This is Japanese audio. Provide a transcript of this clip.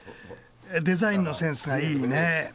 デザインのセンスがいいね。